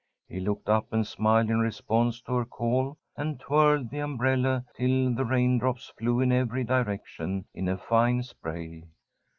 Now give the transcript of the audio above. He looked up and smiled in response to her call, and twirled the umbrella till the rain drops flew in every direction in a fine spray.